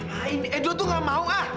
ma edo tuh gak mau ah